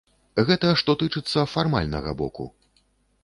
Гэта што тычыцца фармальнага боку.